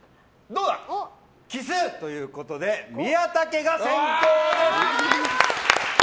奇数！ということで宮田家が先攻です。